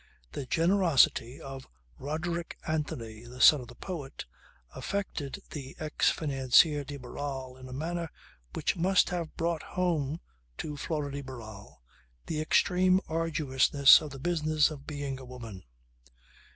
The generosity of Roderick Anthony the son of the poet affected the ex financier de Barral in a manner which must have brought home to Flora de Barral the extreme arduousness of the business of being a woman.